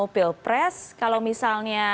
pilpres kalau misalnya